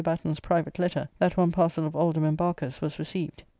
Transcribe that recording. Batten's private letter that one parcel of Alderman Barker's' was received.